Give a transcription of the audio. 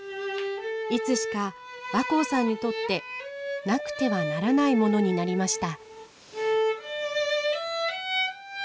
いつしか若生さんにとってなくてはならないものになりました。